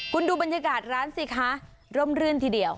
คุณดูบรรยากาศร้านสิคะร่มรื่นทีเดียว